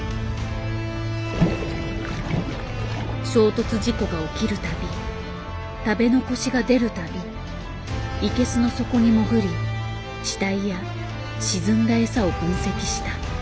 衝突事故が起きる度食べ残しが出る度イケスの底に潜り死体や沈んだ餌を分析した。